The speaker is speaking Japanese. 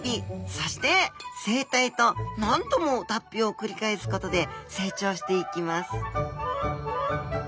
そして成体と何度も脱皮を繰り返すことで成長していきます